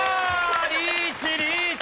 リーチリーチ！